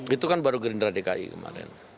itu kan baru gerindra dki kemarin